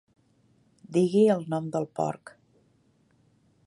Digui el nom del porc.